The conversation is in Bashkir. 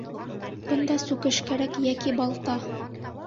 Бында сүкеш кәрәк йәки балта.